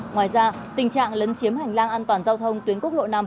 ngoài ra tình trạng lấn chiếm hành lang an toàn giao thông tuyến quốc lộ năm